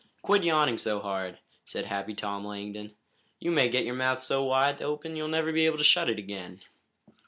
"Quit yawning so hard," said Happy Tom Langdon. "You may get your mouth so wide open that you'll never be able to shut it again."